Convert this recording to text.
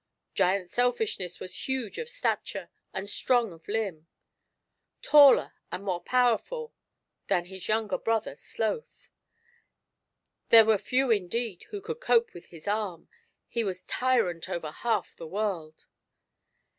Giant Selfishness was huge of stature and strong of limb ; taller and more powerful than his younger brother, Sloth. There were few indeed who could cope with his arm, he was tyrant over half the world.